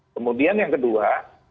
kemudian yang kedua